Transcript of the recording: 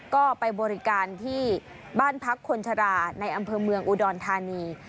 ก็ไปบริการที่บ้านพักคนชราในอำเภอเมืองอุดรธานี